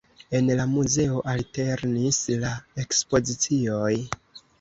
En la muzeo alternis la ekspozicioj.